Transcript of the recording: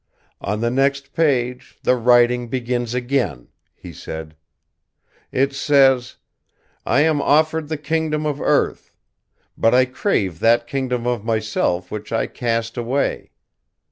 "On the next page, the writing begins again," he said. "It says: "'I am offered the kingdoms of earth. But I crave that kingdom of myself which I cast away.